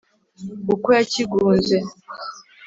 Uko yakigunze